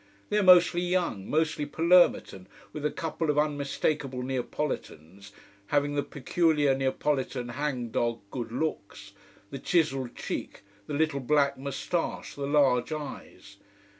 They are mostly young mostly Palermitan with a couple of unmistakable Neapolitans, having the peculiar Neapolitan hang dog good looks, the chiselled cheek, the little black moustache, the large eyes.